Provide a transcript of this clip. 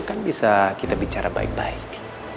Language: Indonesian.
kan bisa kita bicara baik baik